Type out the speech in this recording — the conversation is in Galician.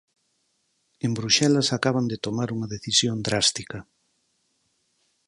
En Bruxelas acaban de tomar unha decisión drástica.